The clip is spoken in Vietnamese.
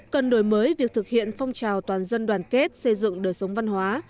cần đổi mới việc thực hiện phong trào toàn dân đoàn kết xây dựng đời sống văn hóa